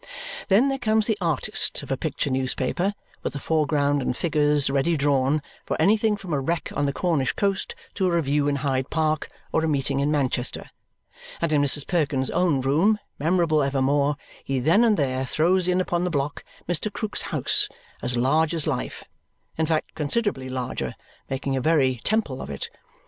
Then there comes the artist of a picture newspaper, with a foreground and figures ready drawn for anything from a wreck on the Cornish coast to a review in Hyde Park or a meeting in Manchester, and in Mrs. Perkins' own room, memorable evermore, he then and there throws in upon the block Mr. Krook's house, as large as life; in fact, considerably larger, making a very temple of it.